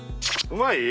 うまい！